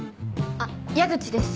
あっ矢口です。